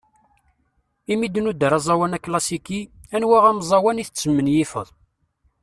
Imi d-nuder aẓawan aklasiki, anwa ameẓẓawan i tesmenyifeḍ?